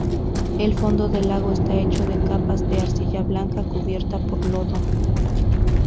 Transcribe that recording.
El fondo del lago está hecho de capas de arcilla blanca, cubierta por lodo.